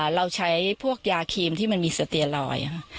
เราใช้พวกยาครีมที่มันมีสเตียลอยค่ะ